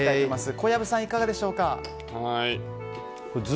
小籔さん、いかがでしょうか？